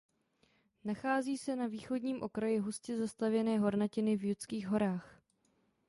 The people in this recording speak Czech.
Nachází se na východním okraji hustě zastavěné hornatiny v Judských horách.